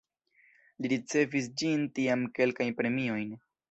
Li ricevis ĝis tiam kelkajn premiojn.